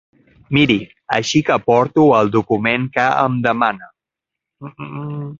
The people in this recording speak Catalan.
Miri, així que porto el document que em demana.